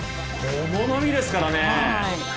この波ですからね。